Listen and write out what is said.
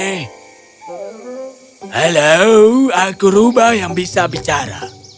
halo aku ruba yang bisa bicara